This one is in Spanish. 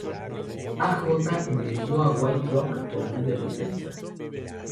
A. J. emigró a White Rock, Columbia Británica.